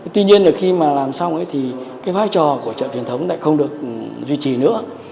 tuy nhiên khi làm xong thì vai trò của trợ truyền thống lại không được duy trì nữa